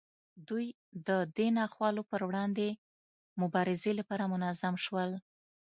دوی د دې ناخوالو پر وړاندې مبارزې لپاره منظم شول.